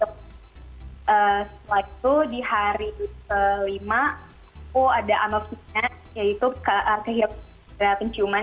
setelah itu di hari kelima aku ada anopsinya yaitu kehidupan penciuman